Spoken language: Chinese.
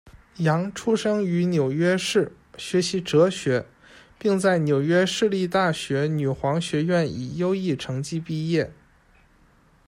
杨出生于纽约市，学习哲学，并在纽约市立大学女皇学院以优异成绩毕业。